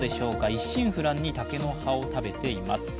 一心不乱に竹の葉を食べています。